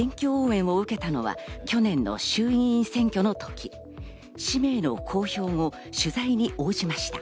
選挙応援を受けたのは去年の衆議院選挙のとき、氏名の公表後、取材に応じました。